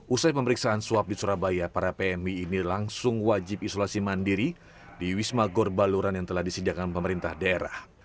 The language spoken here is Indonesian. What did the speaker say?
usai pemeriksaan swab di surabaya para pmi ini langsung wajib isolasi mandiri di wisma gorbaluran yang telah disediakan pemerintah daerah